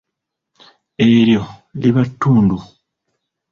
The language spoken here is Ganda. Eryo liba ttundu.